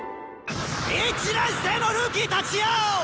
１年生のルーキーたちよ！